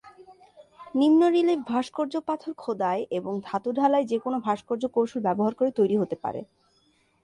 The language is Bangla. নিম্ন রিলিফ ভাস্কর্য, পাথর খোদাই এবং ধাতু ঢালাই যে কোন ভাস্কর্য কৌশল ব্যবহার করে তৈরি হতে পারে।